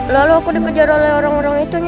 lalu aku dikejar oleh orang orang itu